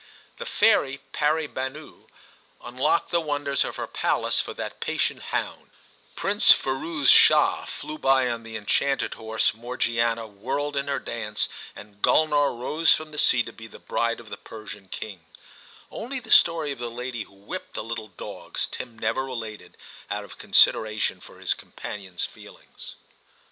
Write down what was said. The fairy Pari banou unlocked the wonders of her palace for that patient hound ; Prince Firouz Shah flew by on the enchanted horse, Morgiana whirled in her dance, and Gulnar^ rose from the sea to be the bride of the Persian king ; only the story of the lady who whipped the little dogs Tim never related, out of consideration for his companion's feelings.